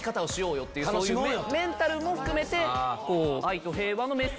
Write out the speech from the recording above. メンタルも含めて。